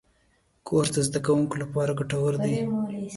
کورس د زدهکوونکو لپاره ګټور دی.